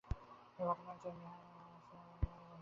এ ঘটনায় চান মিয়ার স্ত্রী আসমা আক্তার বাদী হয়ে মামলা করেন।